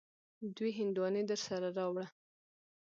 دوې هندواڼی درسره راوړه.